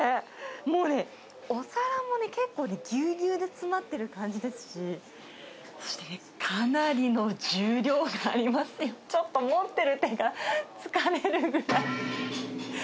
もうね、お皿もね、結構ぎゅうぎゅうで詰まってる感じですし、そしてかなりの重量がありますよ、ちょっと持ってる手が疲れるぐらい。